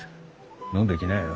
飲んできなよ。